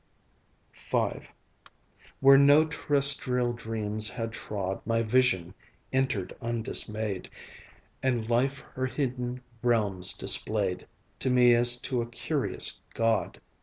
V Where no terrestrial dreams had trod My vision entered undismayed, And Life her hidden realms displayed To me as to a curious god.